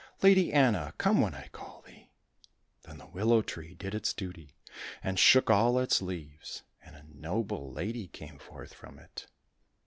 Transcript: Lady Anna, come when I call thee !" Then the willow tree did its duty, and shook all its leaves, and a noble lady came forth from it.